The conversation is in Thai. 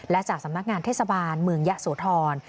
และจากสำนักงานเทศบาลเมืองยะโสธร